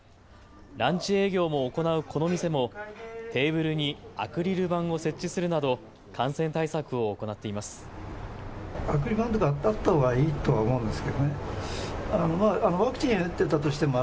ランチ営業も行うこの店もテーブルにアクリル板を設置するなど感染対策を行っています。